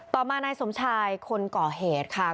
ต่อมานายสมชายคนก่อเหตุค่ะ